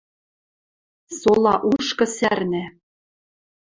Сола ушкы сӓрнӓ